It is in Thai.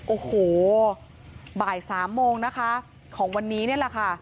โอ้โหบ่าย๓โมงนะคะของวันนี้นี่แหละค่ะ